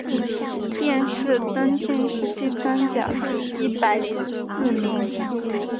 殿试登进士第三甲第一百零四名。